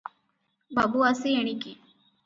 ବାବୁ, ଆସି ଏଣିକି ।"